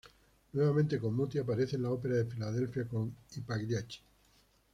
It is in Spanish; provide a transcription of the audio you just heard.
Nuevamente con Muti aparece en la Ópera de Filadelfia con "I Pagliacci".